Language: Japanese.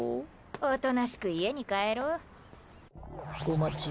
おとなしく家に帰ろう？